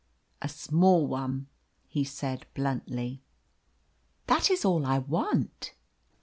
"A small one," he said bluntly. "That is all I want."